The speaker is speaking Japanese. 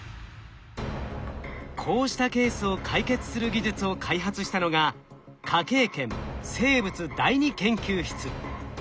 こうしたケースを解決する技術を開発したのが科警研生物第二研究室。